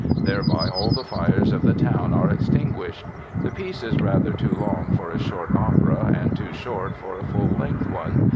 Thereby all the fires of the town are extinguished! The piece is rather too long for a short opera and too short for a full length one.